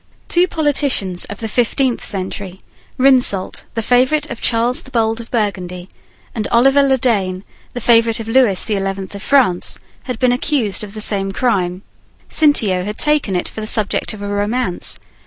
Two politicians of the fifteenth century, Rhynsault, the favourite of Charles the Bold of Burgundy, and Oliver le Dain, the favourite of Lewis the Eleventh of France, had been accused of the same crime. Cintio had taken it for the subject of a romance.